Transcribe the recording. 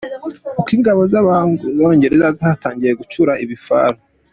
Uko Ingabo z’Abongereza zatangiye gucura ibifaru.